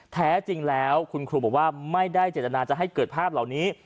แท้จริงแล้วคุณครูบอกว่าไม่ได้เจตนาจะให้เกิดภาพเหล่านี้